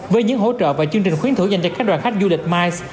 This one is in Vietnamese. với những hỗ trợ và chương trình khuyến thủ dành cho các đoàn khách du lịch miles